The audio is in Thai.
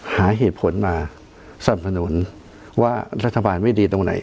หาเหตุผลมาสนับสนุนว่ารัฐบาลไม่ดีตรงไหน